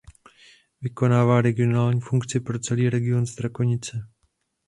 Vykonává regionální funkci pro celý region Strakonice.